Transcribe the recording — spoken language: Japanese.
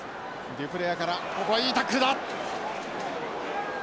デュプレアからここはいいタックルだ。